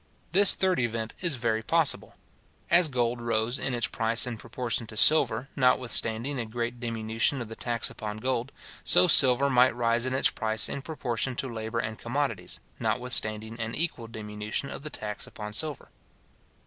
This third event is very possible. As gold rose in its price in proportion to silver, notwithstanding a great diminution of the tax upon gold, so silver might rise in its price in proportion to labour and commodities, notwithstanding an equal diminution of the tax upon silver.